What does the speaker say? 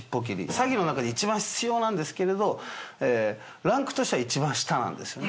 詐欺のなかでいちばん必要なんですけれどランクとしてはいちばん下なんです。